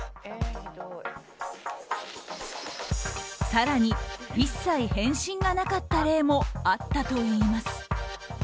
更に、一切返信がなかった例もあったといいます。